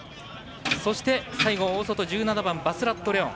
そして最後は大外１７番のバスラットレオン。